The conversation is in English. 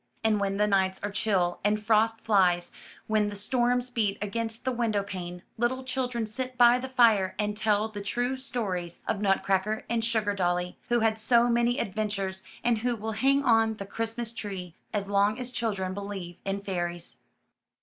And when the nights are chill and frost flies, when the storms beat against the window pane, little children sit by the fire and tell the true stories of Nutcracker and Sugardolly, who had so many adventures, and who will hang on the Christmas tree as long as children believe in fairies.